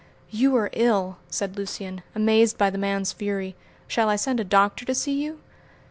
"You are ill!" said Lucian, amazed by the man's fury. "Shall I send a doctor to see you?"